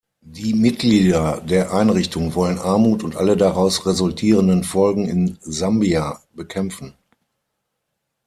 Die Mitglieder der Einrichtung wollen Armut und alle daraus resultierenden Folgen in Sambia bekämpfen.